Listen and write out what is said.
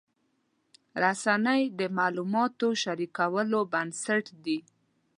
رسنۍ د معلوماتو شریکولو بنسټ دي.